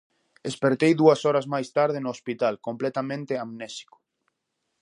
Espertei dúas horas máis tarde no hospital completamente amnésico.